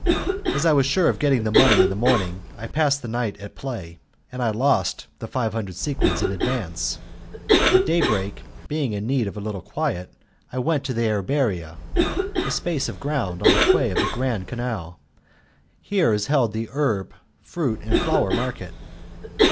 As I was sure of getting the money in the morning I passed the night at play, and I lost the five hundred sequins in advance. At day break, being in need of a little quiet, I went to the Erberia, a space of ground on the quay of the Grand Canal. Here is held the herb, fruit, and flower market.